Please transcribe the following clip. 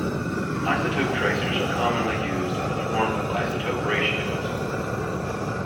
Isotope tracers are commonly used in the form of isotope ratios.